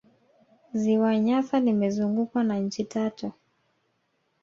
ziwa nyasa limezungukwa na nchi tatu